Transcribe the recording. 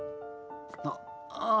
あっああ。